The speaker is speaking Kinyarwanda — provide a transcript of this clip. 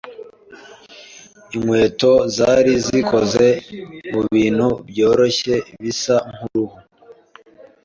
Inkweto zari zikoze mubintu byoroshye bisa nkuruhu.